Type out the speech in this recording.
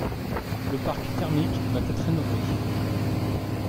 Le parc thermique va être rénové.